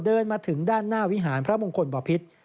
เดินมาถึงด้านหน้าวิหารพระมงคลบ่อพิษ